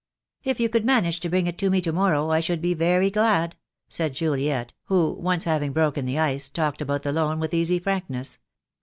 "If you could manage to bring it me to morrow I should be very glad," said Juliet, who, once having broken the ice, talked about the loan with easy frankness.